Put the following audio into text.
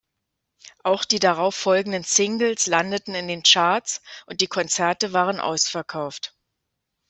Auch die darauf folgenden Singles landeten in den Charts, und die Konzerte waren ausverkauft.